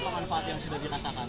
manfaat yang sudah dirasakan